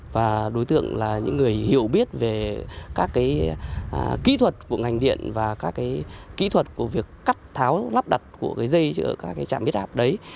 và đối tượng là những người hiểu biết về các kỹ thuật của ngành điện và các kỹ thuật của việc cắt tháo lắp đặt của cái dây ở các trạm biết hạp đấy